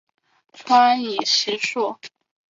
川黔石栎